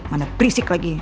mana berisik lagi